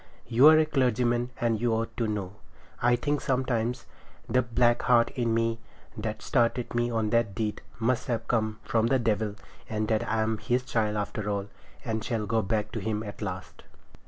You're a clergyman, and you ought to know. I think sometimes the black heart in me, that started me on that deed, must have come from the devil, and that I am his child after all, and shall go back to him at the last.